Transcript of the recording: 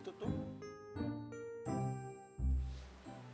tunggu dan republican tutti